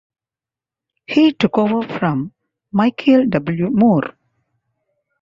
He took over from Michael W. Moore.